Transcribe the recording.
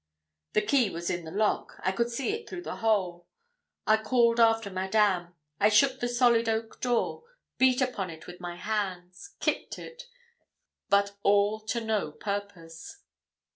The key was in the lock; I could see it through the hole. I called after Madame, I shook at the solid oak door, beat upon it with my hands, kicked it but all to no purpose.